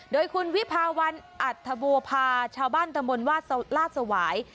โดยคุณวิภาวันอัฐบวภาชาวบ้านตะมนต์วาสลาดสวาย